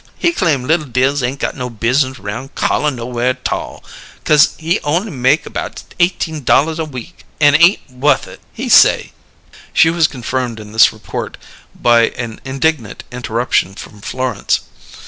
He claim li'l Dills ain' got no biznuss roun' callin' nowhere 't all, 'cause he on'y make about eighteen dollars a week an' ain't wuth it. He say " She was confirmed in this report by an indignant interruption from Florence.